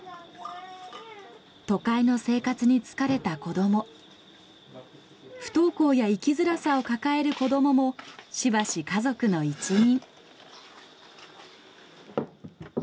都会の生活に疲れた子ども不登校や生きづらさを抱える子どももしばし家族の一員。